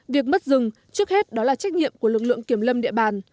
việc mất rừng trước hết đó là trách nhiệm của lực lượng kiểm lâm địa bàn